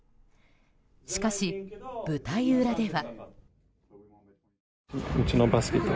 しかし、舞台裏では。